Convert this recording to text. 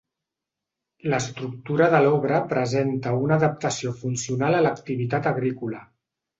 L'estructura de l'obra presenta una adaptació funcional a l'activitat agrícola.